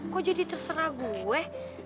kok jadi terserah gue